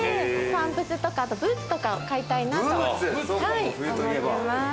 パンプスとかあとブーツとかを買いたいなと思ってます。